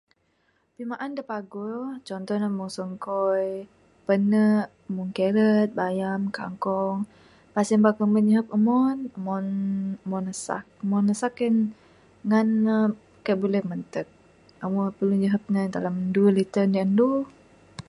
Pimaan da paguh contoh ne meng sungkoi pane meng carrot bayam kangkong...pas en aba kamet nyihep umon...umon...umon asak...umon asak en ngan ne kaii buleh manteg...amu perlu nyihep ne dalam duweh liter indi andu.